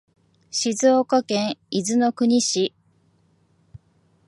静岡県伊豆の国市